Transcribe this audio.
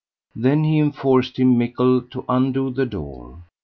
Then he enforced him mickle to undo the door.